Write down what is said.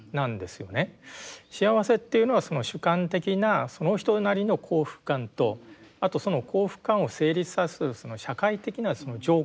幸せっていうのは主観的なその人なりの幸福感とあとその幸福感を成立させる社会的なその条件ですよね。